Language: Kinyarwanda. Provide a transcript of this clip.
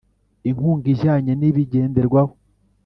inkunga ijyanye n Ibigenderwaho